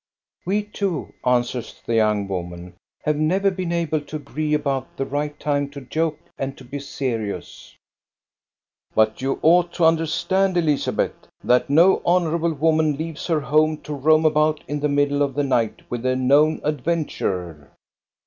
270 THE STORY OF GOSTA BE RUNG We two," answers the young woman, " have never been able to agree about the right time to joke and to be serious." " But you ought to understand, Elizabeth, that no honorable woman leaves her home to roam about in the middle of the night with a known adventurer."